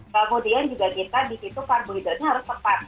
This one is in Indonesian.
kemudian juga kita di situ karbohidratnya harus tepat